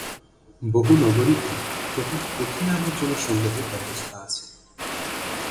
বহু নগরীতে কেবল কঠিন আবর্জনা সংগ্রহের ব্যবস্থা আছে।